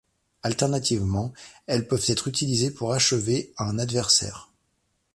Alternativement, elles peuvent être utilisées pour achever un adversaire.